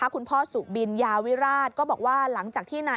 คุณพ่อสูบินยาวิราช